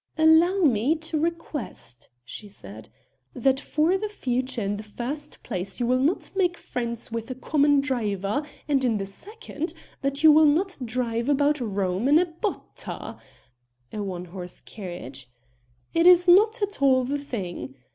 "Allow me to request," she said, "that for the future in the first place you will not make friends with a common driver and in the second, that you will not drive about Rome in a Botta (a one horse carriage); it is not at all the thing.